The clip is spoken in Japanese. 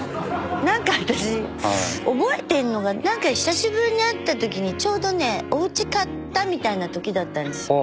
なんか私覚えてんのが久しぶりに会ったときにちょうどねおうち買ったみたいなときだったんですよ。